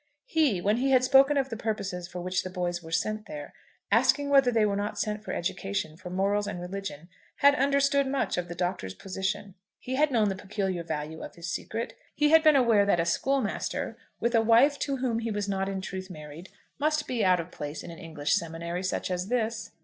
He, when he had spoken of the purposes for which the boys were sent there, asking whether they were not sent for education, for morals and religion, had understood much of the Doctor's position. He had known the peculiar value of his secret. He had been aware that a schoolmaster with a wife to whom he was not in truth married must be out of place in an English seminary such as this.